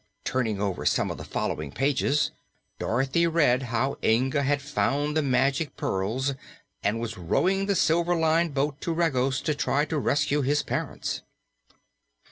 Turning over some of the following pages, Dorothy read how Inga had found the Magic Pearls and was rowing the silver lined boat to Regos to try to rescue his parents.